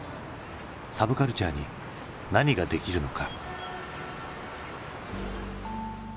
サブカルチャーに何ができるのか？